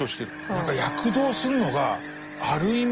何か躍動するのがある意味